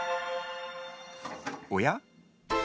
おや？